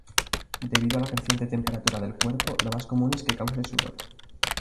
Debido a la creciente temperatura del cuerpo, lo más común es que cause sudor.